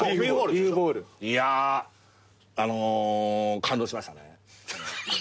いやあの感動しましたね。